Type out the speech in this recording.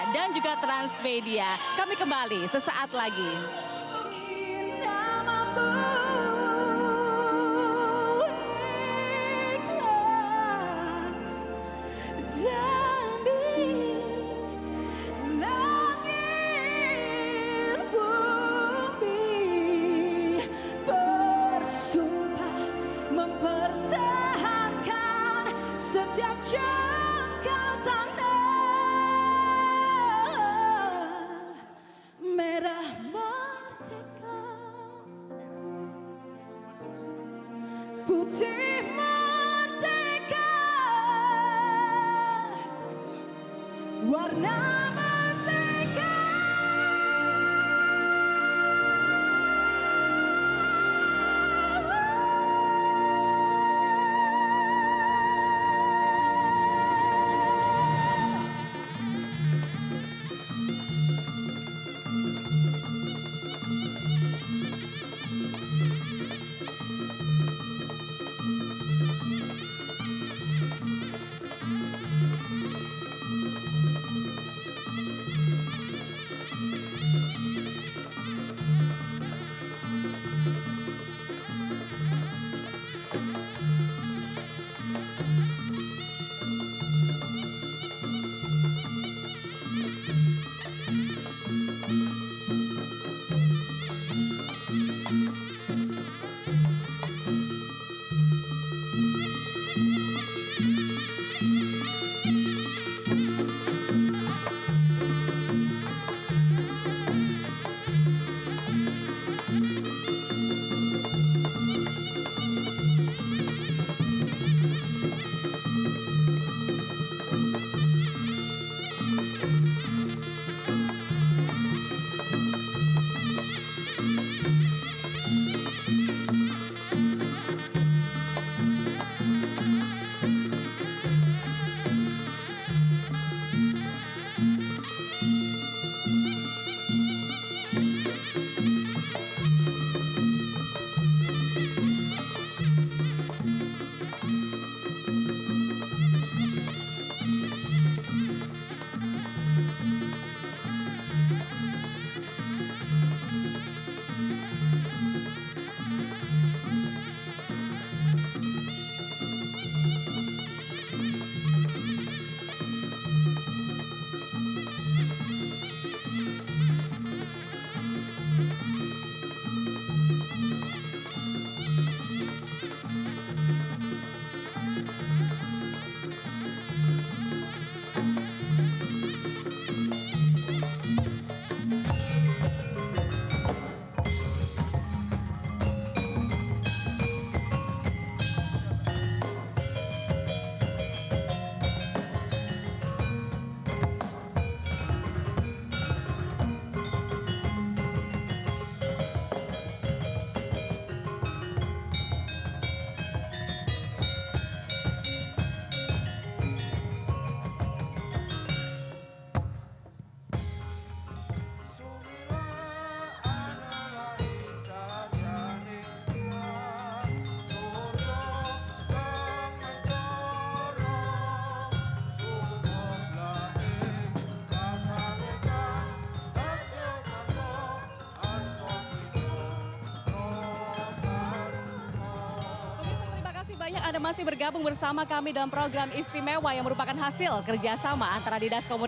yang keempat yaitu sumber bahan baku